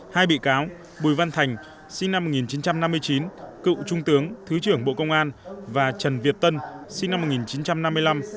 hai bị cáo bùi văn thành sinh năm một nghìn chín trăm năm mươi chín cựu trung tướng thứ trưởng bộ công an và trần việt tân sinh năm một nghìn chín trăm năm mươi năm